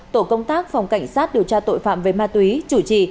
tổ công tác phòng cảnh sát điều tra tội phạm về ma túy chủ trì